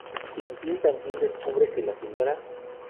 Tintín tambien descubre que la Sra.